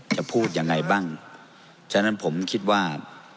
พูดยังไงบ้างฉะนั้นผมคิดว่า